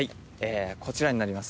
こちらになります。